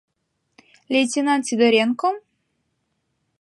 — Лейтенант Сидоренком?